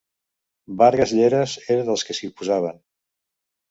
Vargas Lleras era dels que s'hi oposaven.